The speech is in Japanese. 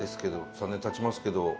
３年たちますけど。